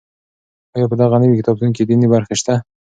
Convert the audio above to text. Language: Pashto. آیا په دغه نوي کتابتون کې دیني برخې شته؟